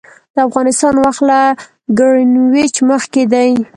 د افغانستان وخت له ګرینویچ مخکې دی